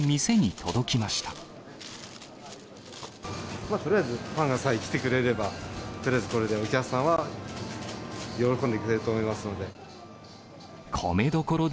とりあえず、パンさえ来てくれれば、とりあえずこれでお客さんは喜んでくれると思いますので。